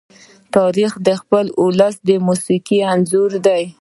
تاریخ د خپل ولس د موسیقي انځور دی.